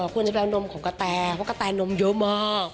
ควรจะไปเอานมของกะแตเพราะกะแตนมเยอะมาก